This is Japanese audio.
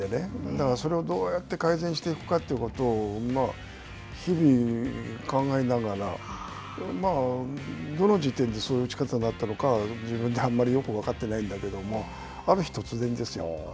だから、それをどうやって改善していくかということを日々考えながらどの時点で、そういう打ち方になったのかは、自分であんまりよく分かってないんだけどもある日、突然ですよ。